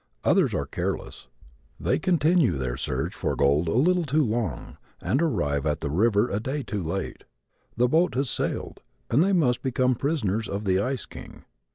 Others are careless. They continue their search for gold a little too long, and arrive at the river a day too late. The boat has sailed and they must become prisoners of the ice king.